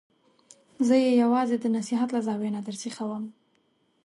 زه یې یوازې د نصحت له زاویې نه درسیخوم.